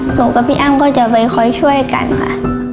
กับพี่อ้ำก็จะไปคอยช่วยกันค่ะ